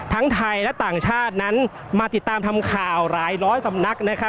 ทั้งไทยและต่างชาตินั้นมาติดตามทำข่าวหลายร้อยสำนัก